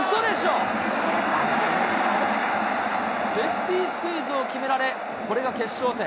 セーフティースクイズを決められ、これが決勝点。